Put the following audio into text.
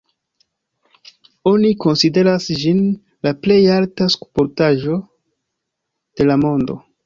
Oni konsideras ĝin la plej alta skulptaĵo de la mondo.